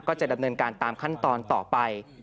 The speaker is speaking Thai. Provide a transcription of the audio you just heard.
จะดำเนินการตามขั้นตอนต่อไป